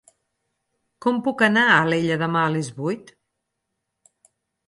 Com puc anar a Alella demà a les vuit?